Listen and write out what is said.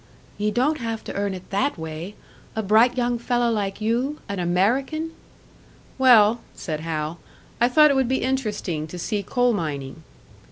"Ye don't have to earn it that way! A bright young fellow like you an American!" "Well," said Hal, "I thought it would be interesting to see coal mining."